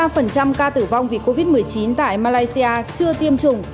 hơn năm mươi ba ca tử vong vì covid một mươi chín tại malaysia chưa tiêm chủng